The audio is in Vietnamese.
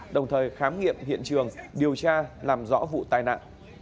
đồng thời khám nghiệm hiện trường điều tra làm rõ vụ tai nạn